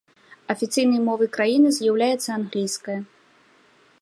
Афіцыйнай мовай краіны з'яўляецца англійская.